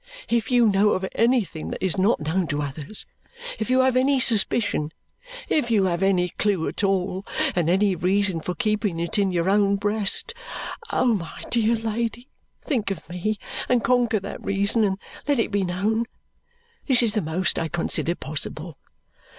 If you know of anything that is not known to others, if you have any suspicion, if you have any clue at all, and any reason for keeping it in your own breast, oh, my dear Lady, think of me, and conquer that reason, and let it be known! This is the most I consider possible.